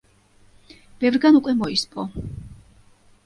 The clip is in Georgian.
ბევრგან უკვე მოისპო.